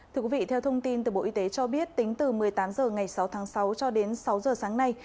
thưa quý vị theo thông tin từ bộ y tế cho biết tính từ một mươi tám h ngày sáu tháng sáu cho đến sáu giờ sáng nay